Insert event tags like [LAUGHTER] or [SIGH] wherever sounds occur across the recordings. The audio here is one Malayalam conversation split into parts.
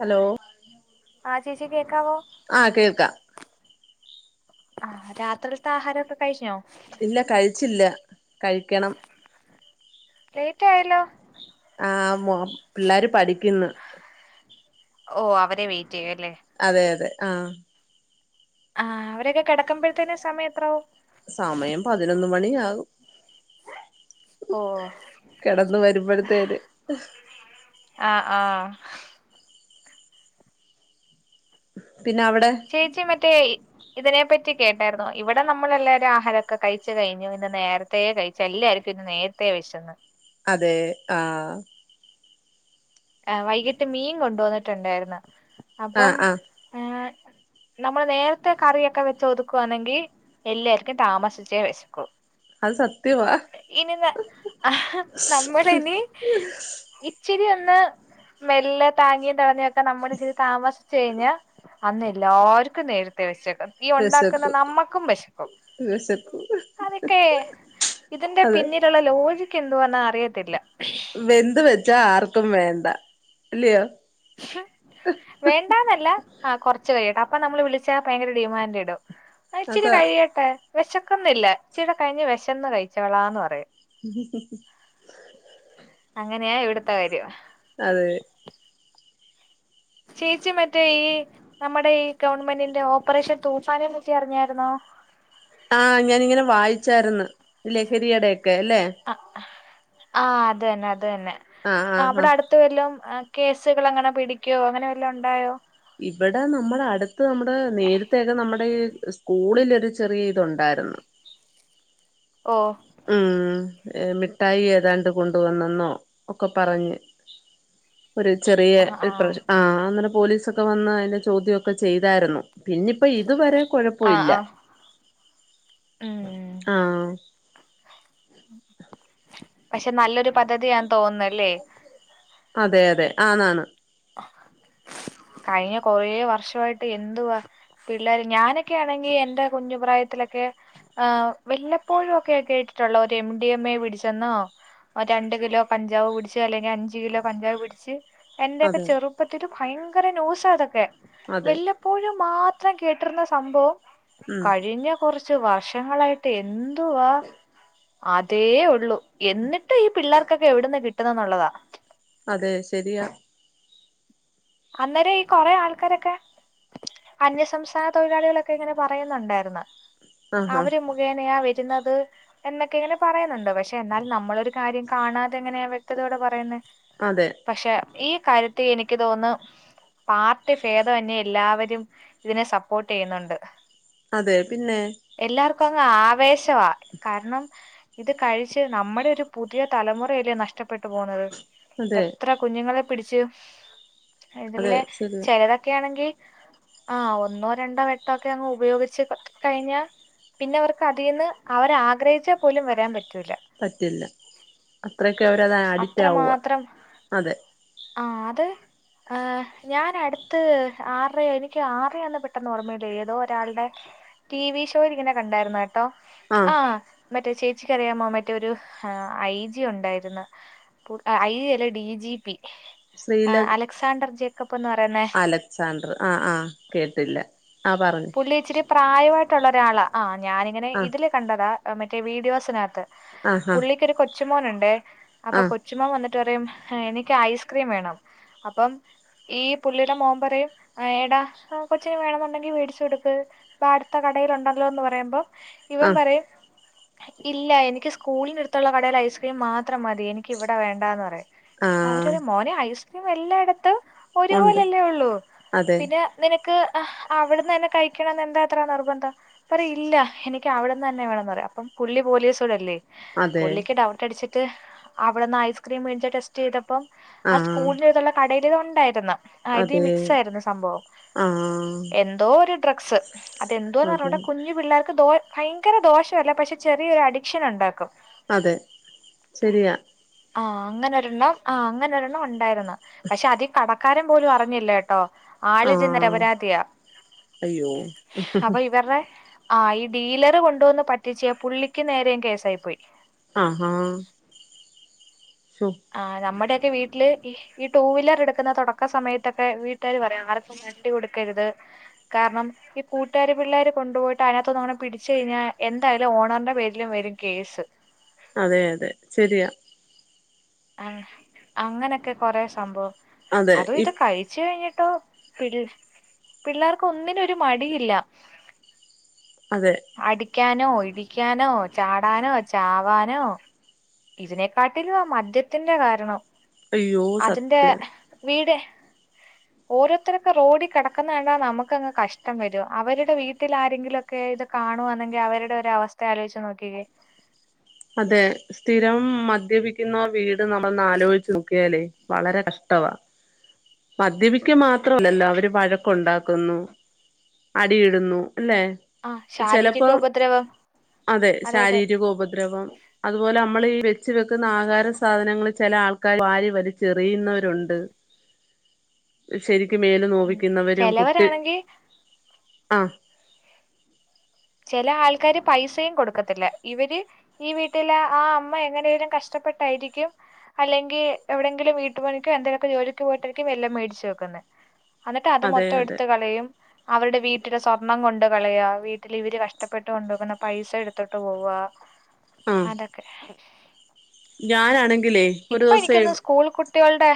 ഹലോ ആ ചേച്ചി കേക്കാവോ ആ കേൾക്കാം ആഹ് രാത്രിത്തെ ആഹാരമൊക്കെ കഴിഞ്ഞോ ഇല്ല കഴിച്ചില്ല കഴിക്കണം ലേറ്റ് ആയല്ലോ ആ പിള്ളേർ പഠിക്കുന്നു ഓ അവരെ വെയിറ്റ് ചെയ്യും അല്ലേ അതെ അതെ ആഹ് ആഹ് അവരൊക്കെ കിടക്കുമ്പോഴത്തേന്ന സമയ എത്രാവവും സമയം പതിനൊന്ന് മണിയാകും ഓ കടന്നുവരുമ്പത്തേന് ആഹ് ആഹ് പിന്നെ അവിടെ. ചേച്ചി മറ്റേ. ഇതിനെപ്പറ്റി കേട്ടായിരുന്നു ഇവിടെ നമ്മളെല്ലാവരും ആഹാരൊക്കെ കഴിച്ചു കഴിഞ്ഞു ഇന്ന് നേരത്തെ. പ്രയേ കഴിച്ച എല്ലായിരിക്കും ഇന്ന് നേരത്തെ വിശന്ന്. അതെ ആഹ് ആ വൈകിട്ട് മീൻ കൊണ്ട ന്നിട്ടുണ്ടായിരുന്നു അപ്പം. ഏഹ് ഉ. നമ്മള് നേരത്തെ കറിയൊക്കെ വെച്ച് ഒതുക്കുവാണെങ്കിൽ. എല്ലാർക്കും താമസിച്ചേ വെശക്കൂ അത് സത്യവാ ഇനിന്ന് നമ്മമ്മുടെ ഇനി ഇച്ചിരി ഒന്ന് മെല്ല താങ്ങിയും തടങ്ങിയ ഒക്കെ നമ്മുടെ ഇച്ചിരി താമസിച്ചു കഴിഞ്ഞാ. അന്നെല്ലാർക്കും നേരത്തെ വിശക്കും ഈ ഉണ്ടാക്കുന്ന വിശക്കും നമ്മക്കും വിശക്കും വിശക്കും അതൊക്കെ ഇതിന്റെ അതെ പിന്നിലുള്ള ലോ എനിക്ക് എന്തു വന്നാൽ അറിയത്തില്ല. വെന്ത് വെച്ചാ ആർക്കും വേണ്ട ല്ലയോ ഉം വേണ്ടാന്നല്ല ആ്റച്ചു കഴിയ കേട്ടെ അപ്പൊ നമ്മൾ വിളിച്ചാ ഭയങ്കര ഡിമാൻഡ് ഇടും. ആ ഇച്ചിരി അതാ കഴിയട്ടെ വെഷക്കുന്നില്ലാ ഇച്ചിട കഴിഞ്ഞ് വിശന്ന് കഴിച്ചവളാന്ന് പറയും ഉം ഉ അങ്ങനെയാ ഇവിടത്തെ കാര്യം. അതെ. ചേച്ചി മറ്റേ ഈ നമ്മുടെ ഈ ഗവൺമെന്റിന്റെ ഓപ്പറേഷൻ തൂഫാനെ നക്കി അറിഞ്ഞായിരുന്നോ. ആഹ ഞാനിങ്ങനെ വായിച്ചായിരുന്നു ലഹരിയുടെക്കെ അല്ലെ ആഹ് അത് തന്നെ അത് തന്നെ ആ ആ ആ അവിടെ അടു. വല്ലും കേസുകൾ അങ്ങനെ പിടിക്കോ അങ്ങനെ വല്ല ഉണ്ടായോ. ഇവിടെ നമ്മുടെ അടുത്ത് നമ്മുടെ നേരത്തൊക്കെ നമ്മുടെ സ്കൂളിൽൊരു ചെറിയ ഇതുണ്ടായിരുന്നു. ഓഹ. ഉം മിഠായി ഏതാണ്ട് കൊണ്ടുവന്നെന്നോ ഒക്കെ പറഞ്ഞ്. ഒരു ചെറിയ പ്ര ആ അങ്ങനെ പോലീസൊക്കെ വന്ന് അതിന്റെ ചോദ്യംക്കെ ചെയ്തായിരുന്നു. പിന്ന ഇപ്പ ഇതുവരെ കുഴപ്പ ആ ആ ഇല്ല ഉം ആഹ് പക്ഷെ നല്ലൊരു പദ്ധതി ൻ തോന്നുന്നുല്ലേ. അതെ അതെ ആന്നാണ്. [INAUDIBLE] കഴിഞ്ഞ കൊറ വർഷയിട്ട് എന്തുവാ. പിള്ളേർ ഞാനൊക്കെ ആണെങ്കി എൻന്റെ കുഞ്ഞുപ്രായത്തിലൊക്കെ. ആ്ന്വല്ലപ്പോഴും ഒക്കെ കേെ കേട്ടിട്ടുള്ള ഒരു എം ഡി എം എ പിടിച്ചെന്നോ. രണ്ട് കിലോ കഞ്ചാവ് പിടടിച്ച് അല്ലെങ്കിൽ അഞ്ച കിലോ കഞ്ചാവ് പിടിച്ച്. എന്റെൊക്കെ അതെ ചെറുപ്പത്തില്ൽ ഭയങ്കര ന്യൂസ അതൊക്കെ അതെ വല്. എപ്പോഴും മാത്രം കേട്ടിരുന്ന സംഭവം ഉം കഴിഞ്ഞ കുറച്ച് വർഷങ്ങളായിട്ട് എന്ത്. അതേ ഉള്ളൂ എന്നിട്ട് ഈ പിള്ളേർക്കൊക്കെ എവിടെന്ന് കിട്ട. പിട്ടുന്നന്നുള്ളതാ. അതെ ശരിയ. അന്നേരം ഈ കൊറെേ ആൾക്കാരൊക്കെ. അന്യസംസ്ഥാന തൊഴിലാളികളൊക്കെ ഇങ്ങനെ പറയുന്നുണ്ടായിരുന്നു ആഹാ അവര് മു അങ്ങനെയാ വരുന്നത്. എന്നൊക്കെ ഇങ്ങനെ പറയുന്നുണ്ട് പക്ഷെ എന്നാൽ നമ്മളൊരു കാര്യം കാണാതെ എങ്ങനെയാ വ്യക്തതയോടെ പറയുന്നത്. അതെ പക്ഷെ ഈ കാര്യത്തിൽ എനിക്ക് തോന്നുന്നു. പാർട്ടി ഭേദമന് എല്ലാവരും ഇതിനെ സപ്പോർട്ട് ചെയ്യുന്നുണ്ട്. അതെ പിന്നെ എല്ലാർക്കും അങ്ങ് ആവേശവാ കാരണം, ഇത് കഴിച്ച് നമ്മടെ ഒരു പുതിയ തലമുറയലെ നഷ്ടപ്പെട്ടു പോണത്. അതെ എത്ര കുഞ്ഞുങ്ങളെ പിടിച്ചു. അതെ ഇതിലെ ശരിയാ ചെലതൊക്കെയാണെങ്കി ആ ഒന്നോ രണ്ടോ വെട്ടഒക്കെ അങ്ങ് ഉപയോഗിച്ച് കഴിഞ്ഞ പിന്നെ അവർക്ക് അതീന്ന് അവർ ആഗ്രഹിച്ചാൽ പോലും വരാൻ പറ്റൂല പറ്റില്ല അത്രയൊക്കെ അവരത് അഡിറ്റ് ആവുവാ അത്രമാത്രം അതെ. ആഹ് അത്. ആ ഞാൻ അടുത്ത് ആറയോ എനിക്ക് ആറയാന്ന് പെട്ടെന്ന് ഓർമ്മയില്ലേ ഏതോ ഒരാൾടെ ടി വി ഷോൽ ഇങ്ങനെ കണ്ടായിരുന്നട്ടോ ആഹ് മറ്റേ ചേച്ചിക്കറിയാമോ മറ്റേ ഒരു ഐ ജി ഉണ്ടായിരുന്നു [UNINTELLIGIBLE] ഐ അല്ലേ ഡി ജി പി സ്ത്രീല ആഹ് അലക്സാണ്ടർ ജേക്കബ് ന്ന് പറയ്ന്നേ സാൻഡർ ആഹ് ആഹ് കേട്ടില്ല ആഹ് പറ പുള്ളി ഇച്ചിരി പ്രായമായിട്ടുള്ളൊരാളാ ആ ഞാനിങ്ങനെ ആ ഇതിൽ കണ്ടതാ മറ്റേ വീഡിയോസിനകത്ത് ആ ആ പുള്ളിക്കൊരു കൊച്ച് മോനുണ്ടേ ആ അപ്പൊ കൊ ചുമ്മാ വന്നിട്ടറിയും എനിക്ക് ഐസ്ക്രീം വേണം അപ്പം എഹ് പുള്ളിടെ മോൻ പറയും എടാ കൊച്ചിനും വേണെന്നുണ്ടെങ്കിൽ വേടി ചുടുക്ക് വാടുത്ത കടേലുണ്ടല്ലോന്ന് പറയുമ്പോ ആ ഇവൻ പറയും ഇല്ല എനിക്ക് സ്കൂളിനെടുത്തുള്ള കടലയ്സ് പി മാത്രം മതി എനിക്ക് വിടെ വേണ്ടാന്ന് പറയാ ആ അവരരു മോനെ ഐസ്ക്രീം എല്ലായിടത്ത് ഉണ്ട് ഒരുപോലെല്ലേ ഉള്ളൂ അതെ പിന്നെ നിനക്ക് അവിട്ന്നന്നെ കഴിക്കണംന്ന് എന്താ ഇത്ര നിർബന്ധം പറ ഇല്ല എനിക്ക് അവിടന്നന്നെ വേണംന്ന് പറയാ അപ്പം പുള്ളി പോലീസോടല്ലേ അതെ പുള്ളിക്ക് ഡൗട്ടടിച്ചിട്ട് അവിടെന്ന് ഐസ്ക്രീം വേടിച്ചിട്ട്സ് ചെയ്തപ്പം ആ സ്കൂൾന് [UNINTELLIGIBLE] കടയിലിത് ഉണ്ടായിരുന്ന ആ ഇതി അതെ മിക്സ് ആയിരുന്നു സംഭവം ആ എൻ എന്തോരു ഡ്രഗ്സ് അതെന്തോന്ന് അതെ അറിഞ്ഞൂടാ കുഞ്ഞു പിള്ളേർക്ക് ദോ ഭയങ്കര ദോഷവല്ല പക്ഷെ ചെറിയൊരു അഡിക്ഷൻ ഉണ്ടാക്കും അതെ ശരിയാ ആഹ് അങ്ങനൊരണ്ണം ആഹ് അങ്ങനെ ഒരൊണ്ണം ഉണ്ടായിരുന്ന് പക്ഷെ അതി കട ക്കാരം പോലും അറിഞ്ഞില്ലേട്ടോ ആ ആള് [UNINTELLIGIBLE] നിരപരാധിയാ അയ്യോ അപ്പൊ ഇവറെ ആ ഈ ഡീലർ കൊണ്ടോന്ന് പറ്റിച്ച പുള്ളിക്ക് നേരെയും കേസായി പോയി ആഹ് ആഹ് ആ നമ്മടൊക്കെ വീട്ടില് ഈ ടൂ വീലർ എടുക്കുന്ന തുടക്ക സമയത്തൊക്കെ വീട്ടേര് പറയാം ആരക്കും വണ്ടി കൊടുക്കരുത് കാരണം ഈ കൂട്ടാര് പിള്ളാര് കൊണ്ടുപോയിട്ട് അതിനകത്ത് ഒന്ന് പിടിച്ച കഴിഞ്ഞാ എന്തായാലും ഓണറിന്റെ പേരിലും വരും കേസ് അതെ അതെ ശരിയാ ആ അങ്ങനൊക്കെ കൊറേ സംഭവം അതെ അതും ഇ ഇത് കഴിച്ച് കഴിഞ്ഞിട്ടോ പി [UNINTELLIGIBLE] പിള്ളേർക്ക് ഒന്നിനൊരു മടിയില്ല അതെ അടിക്കാനോ ഇടിക്കാനോ ചാടാനോ ചാവാനോ ഇതിനെക്കാട്ടിലും ആ മദ്യത്തിന്റെ കാരണം അയ്യോ അതിന്റെ സത്യം വീട് ഓരോത്തരൊക്കെ റോഡി കെടക്കുന്ന കണ്ടാ നമുക്കങ്ങ് കഷ്ടം വരും അവരുടെ വീട്ടിൽ ആരെങ്കിലും ക്കെ ഇത് കാണുവാന്നെങ്കി അവര്ടെ ഒരു അവസ്ഥ ആലോചിച്ചു നോകികേ അതെ സ്ഥിരം മദ്യപിക്കുന്ന വീട് നമ്മ [UNINTELLIGIBLE] ആലോചിച്ച് നോക്കിയാലേ വളരെ കഷ്ടവാ മദ്യപിക്ക മാത്രമല്ലല്ലോ അവര് വഴക്കുണ്ടാക്കുന്നു അടി ഇടുന്നു അല്ലേ ആ ശാരീരിക ചെലപ്പം ഉപദ്രവം അതെ ശാരീരിക ഉപദ്രവം. അതുപോലെ മ്മളീ വെച്ചു വെക്കുന്ന ആഹാര സാധനങ്ങളെ ചെല ആൾക്കാര് വാരി വലിച്ചെറിയുന്നവരുണ്ട് ശരിയ്ക്കു മേല് ഉം നോവിക്കുന്നവരും. കുട്ടി ചിലവരാണെങ്കിൽ ആ ചെല ആൾക്കാര് പൈസയും കൊടുക്കത്തില്ല ഇവര് ഈ വീട്ടിലെ ആ അമ്മ എങ്ങനേലും കഷ്ടപ്പെട്ടായിരിക്കും. അല്ലെങ്കി എവിടെങ്കിലും വീട്ടുപണിക്കോ എന്തേലൊക്കോ ജോലിക്ക് പോയിട്ടാരിക്കും വല്ലോം മേടിച്ച് വെക്കുന്നത് അന്നിട്ട് അത് അതെ മൊത്തം അതെ എടുത്ത് കളയും അവരുടെ വീട്ടിലെ സ്വർണം കൊണ്ട് കളയ വീട്ട് തിലെ ഇവര് കഷ്ടപ്പെട്ട് കൊണ്ടോക്കുന്ന പൈസ എടുത്തിട്ട് പോവുവാ ആഹ് അതൊക്കെ ഞാനാണെങ്കിലേ ഒരു ഇപ്പ എനിക്കു ദിവസേ തോന്നുന്നു സ്കൂൾ കുട്ട് ട്ടികൾടെ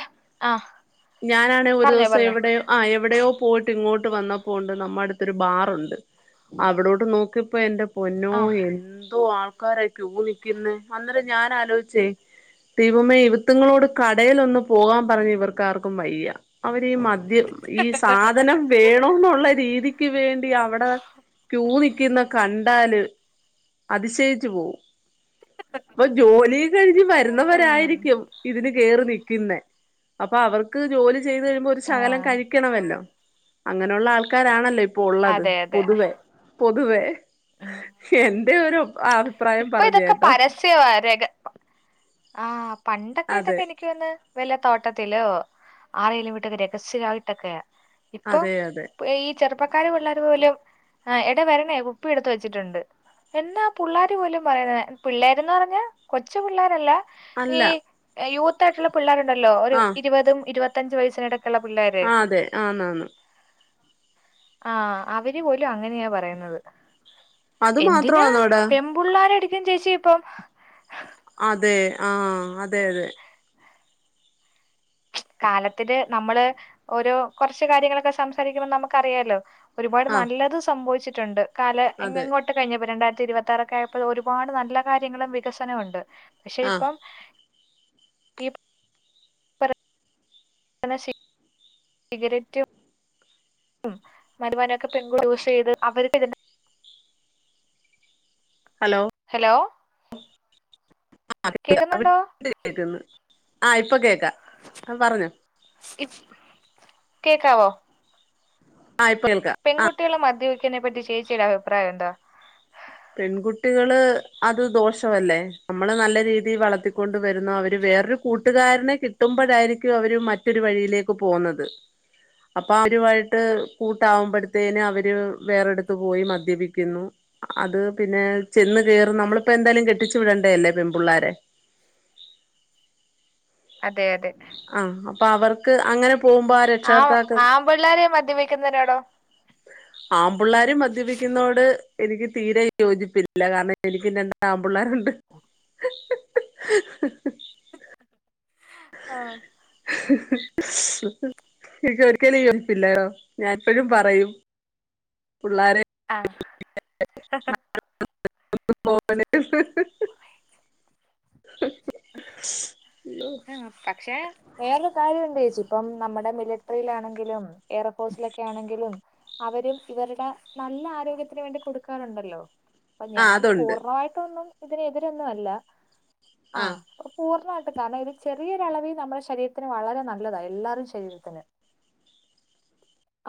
ഞാനാണെ ഒരു ദിവസം എവിടെയോ ആഹ് എവിടെയോ പോയിട്ടിങ്ങോട്ട് വന്നപ്പോണ്ട് നമ്മടടുത്തൊരു ബാറുണ്ട് അവിടോട്ടെ നോക്കിയപ്പം എന്റെ പൊന്നോ ആ എന്തോ ആൾക്- കൊറേ ക്യു നിക്കുന്ന് അന്നേരം ഞാൻ ആലോചിച്ചേ ദൈവമേ ഇവുത്തുങ്ങളോട് കടയിൽ ഒന്നു പോകാൻ പറഞ്ഞാ ഇവർക്ക് ക്കാർക്കും വയ്യ അവരീ മദ്യം ഈ സാധനം വേണോന്നുള്ള രീതിക്ക് വേണ്--‌ ടി അവിടെ ക്യൂ നിക്കുന്ന് കണ്ടാല് അത്ശയിച്ചു പോകും. അപ്പം ജോലി. ഇതു കഴിഞ്ഞ് ഉം വരുന്നവരായിരിക്കും ഇതിന് കേറി നിക്കുന്നെ അപ്പ അവർക്ക് ജോലി ചെയ്ത് കഴിയുമ്പ ഒരു ആ ശകലം കഴിക്കണമല്ലോ അങ്ങനുള്ള ആൾക്കാരാണല്ലോ ഇപ്പ് പ്പൊള്ളത് അതെ അതെ പൊതുവേ പൊതുവേ എന്റെ ഒരു അ ഇപ്പ ഇതൊക്കെ പരസ്യമാ രഹ പണ്ടൊക്കെ അതെ ഇതൊക്കെ എനിക്ക് യ്ക്കു തോന്നുന്നു വല്ല തോട്ടത്തിലോ ആരേലും വിട്ടൊക്കെ രഹസ്യായിട്ടൊക്കെയാ ഇപ്പൊ അതെ അതെ പൊഈ ചെറുപ്പക്കാര് പിള്ളേരു പോലും എടാ വരണേ കുപ്പി എടുത്ത് വെച്ചിട്ടുണ്ട് എന്നാ പുള്ളേരെ പോലും പറയുന്നേ പിള്ളേരെന്ന് പറഞ്ഞാ കൊച്ചു പിള്ളേരല്ല ഈ അല്ല യൂ യിട്ടുള്ള പിള്ളാരുണ്ടല്ലോ ഒരു ആ ഇരുപതും, ഇരുപത്തഞ്ചും, വയസിനടയ്ക്ക് [UNINTELLIGIBLE] പിള്ളേരെ ആ അതെ ആന്നാന്ന് ആഹ് അവരു പോലും അങ്ങനെയാ പറയുന്നത് അത് എന്തിനാ മാത്രമാന്നോടാ പമ്പുള്ളരടിക്കും ചേച്ചി ഇപ്പം. അതെ ആഹ് അതെ അതെ കാലത്തില് നമ്മള് ഓരോ കൊറച്ചു കാര്യങ്ങളൊക്കെ സംസാരിക്കുമ്പം നമുക്കറിയാലോ ഒരുപാട് ആ നല്ലത് സംഭവിച്ചിട്ടുണ്ട് കാലേ അതെ ഇങ്ങങോ ട്ടു കഴിഞ്ഞപ്പ രണ്ടായിരത്തി ഇരുപത്തി ആറൊക്കെ ആയപ്പോ ഒരുപാട് നല്ല കാര്യങ്ങളും വികസനവും ഉണ്ട് പക്ഷെ ആ ഇപ്പം ഈ പറ എന്നാ ശരി. സിഗരറ്റും [UNINTELLIGIBLE] ഹലോ ഹലോ [INAUDIBLE] കേക്കുന്നുണ്ടോ [UNINTELLIGIBLE] ആ ഇപ്പ കേക്ക പറഞ്ഞോ [UNINTELLIGIBLE] കേക്കാവോ ആ ഇപ്പ കേൾക്ക പെൺകുട്ടികള് മദ്യപിയ്ക്കുന്നതിനെപ്പറ്റി ചേച്ചിയുടെ അഭിപ്രായം എന്താ പെൺകുട്ടികള് അത് ദോഷവല്ലേ നമ്മള് നല്ല രീതിയിൽ വളത്തിക്കൊണ്ട് വരുന്നു അവര് വേറൊരു കൂട്ടുകാരനെ കിട്ടുമ്പഴായിരിക്കും അവര് മറ്റൊരു വഴിയിലേക്ക് പോകുന്നത് അപ്പൊ അവരുമായിട്ട് കൂട്ടാവുമ്പോഴത്തേന്അവര് വേറെടുത്ത്പോയി മദ്യപിക്കുന്നു അത് പിന്നെ ചെന്ന് കയറുന്ന നമ്മളിപ്പോ എന്തായാലും കെട്ടിച്ചു വിടണ്ടേ അല്ലേ പെൺപിള്ളാരെ അതെ അതെ ആഹ് അപ്പൊ അവർക്ക് അങ്ങനെ പോകുമ്പോ രക്ഷകർത്താക്കൾ ആപിള്ളോര് മദ്യപിക്കുന്നതിനോടോ ആമ്പിള്ളാര് മദ്യപിക്കുന്നതോട് എനിക്ക് തീരെ യോജിപ്പില്ല കാരണം എനിക്ക് രണ്ടാമ്പിള്ളാരുണ്ട് [UNINTELLIGIBLE] ആഹ് എനിക്ക് ഒരിക്കലും യോജിപ്പില്ലയോ ഞാൻ എപ്പോഴും പറയും പിള്ളാര് [UNINTELLIGIBLE] ഉം പക്ഷേ വേറൊരു കാര്യമുണ്ട് ചേച്ചി ഇപ്പം നമ്മുടെ മിലിറ്ററിയിലാണെങ്കിലും എയർഫോഴ്സിലൊക്കെ ആണെങ്കിലും അവരും ഇവരുടെ നല്ല ആരോഗ്യത്തിന് വേണ്ടി കൊടുക്കാറുണ്ടല്ലോ ആ ഞാൻ അതുണ്ട് പൂർണമായിട്ടൊന്നും ഇതിനെതിരൊന്നുമല്ല ആ പൂർണ്ണമായിട്ട് കാരണം ചെറിയൊരളവിൽ നമ്മുടെ ശരീരത്തിന് വളരെ നല്ലതാണ് എല്ലാരും ശരീരത്തിന്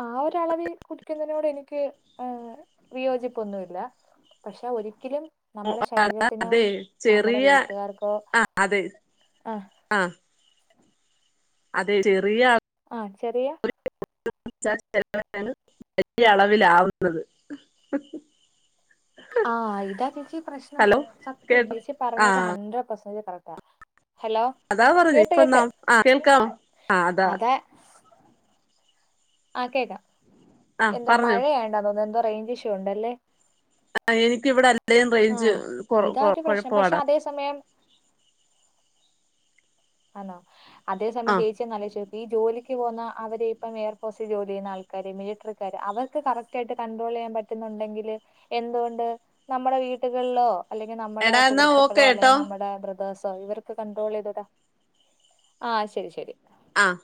ആ ഒരളവിൽ കുടിക്കുന്നതിനോട് എനിക്ക് വിയോജിപ്പൊന്നുമില്ല പക്ഷെ ഒരിക്കലും നമ്മുടെ [UNINTELLIGIBLE] ശരീരത്തിനോ അത് നമ്മുടെ ചെറിയ വീട്ടുകാർക്കോ ആ ആഹ് അത്ആ അതെ ചെറിയ ആഹ് ചെറിയ [UNINTELLIGIBLE] വലിയ അളവിലാവുന്നത് ആഹ് ഇതാ ചേച്ചി പ്രശ്നം ഹലോ സത്യം കേട്ടോ ചേച്ചി ആ പറഞ്ഞത് ഹഡ്രഡ് പെർസന്റേജ് കറക്റ്റാ ഹലോ അതാ കേട്ട് പറഞ്ഞേപ്പ കേട്ട് നാംആ കേൾക്കാം അതാ ആഹ് കേൾക്കാം ആ എന്തോ പറഞ്ഞോ മഴ ആയോണ്ടാ തോന്നുന്നു എന്തോ റേഞ്ച് ഇഷ്യൂ ഉണ്ടല്ലേ ആ എനിക്കിവിടെ അല്ലേലും റേഞ്ച് ആഹ് കൊറ ഇതാ കൊ ഒരു പ്രശ്നം പക്ഷെ കുഴപ്പമാടാ അതേ സമയം ആണോ അതേ സമയം ആ ചേച്ചി ചേച്ചി ഒന്ന് ആലോചിച്ച് നോക്കിയേ ഈ ജോലിക്ക് പോകുന്ന അവരെ ഇപ്പം എയർ ഫോഴ്സിൽ ജോലി ചെയ്യുന്ന ആൾക്കാര് മിലിറ്ററിക്കാര് അവർക്ക് കറക്റ്റ് യിട്ട് കണ്ട്രോൾ ചെയ്യാൻ പറ്റുന്നുണ്ടെങ്കിൽ എന്തുകൊണ്ട് നമ്മുടെ വീട്ടുകളിലോ അല്ലെങ്കിൽ നമ്മുടെ എടാ എന്നാ സുഹൃത്തുക്കളോ ഓക്കെ ട്ടോ അല്ലെങ്കിൽ നമ്മുടെ ബ്രദേേഴ്സോ ഇവർക്ക് കണ്ടട്രോൾ ചെയ്ത് കൂടേ ആ ശരി ശരി ആഹ്